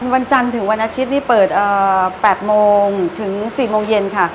วันจันทร์ถึงวันอาทิตย์นี่เปิด๘โมงถึง๔โมงเย็นค่ะ